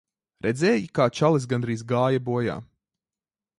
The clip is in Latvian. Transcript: Redzēji, kā čalis gandrīz gāja bojā.